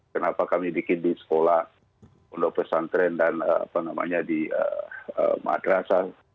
kenapa kami bikin di sekolah pondok pesantren dan di madrasah